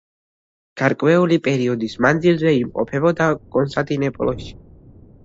გარკვეული პერიოდის მანძილზე იმყოფებოდა კონსტანტინოპოლში.